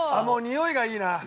もうにおいがいいな。